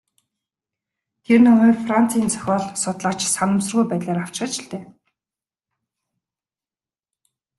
Тэр номыг Францын утга зохиол судлаач санамсаргүй байдлаар авчхаж л дээ.